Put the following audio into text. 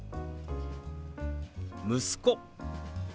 「息子」。